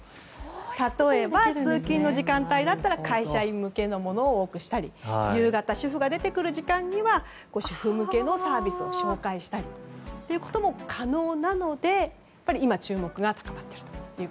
例えば、通勤の時間帯だったら会社員向けのものを多くしたり夕方、主婦が出てくる時間には主婦向けのサービスを紹介したりということも可能なので今、注目が高まっていると。